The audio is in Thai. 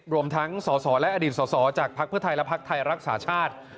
รวมทั้งสสและอดีตสอสอจากภักดิ์เพื่อไทยและพักไทยรักษาชาติ